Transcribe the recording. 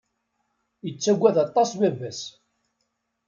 Yettaggad aṭas baba-s.